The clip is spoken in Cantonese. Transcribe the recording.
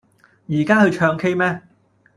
依家去唱 k 咩